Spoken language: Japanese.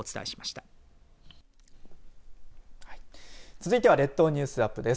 続いては列島ニュースアップです。